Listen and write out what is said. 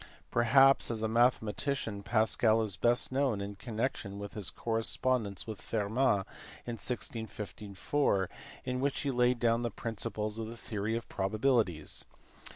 Perhaps as a mathematician Pascal is best known in connection with his correspondence with Fermat in 1654 in which he laid down the principles of the theory of probabilities.